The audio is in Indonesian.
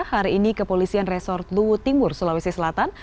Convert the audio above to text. hari ini kepolisian resort luwu timur sulawesi selatan